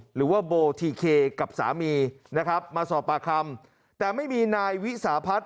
หรือว่าโบทีเคกับสามีนะครับมาสอบปากคำแต่ไม่มีนายวิสาพัฒน์